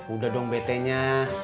udah dong betenya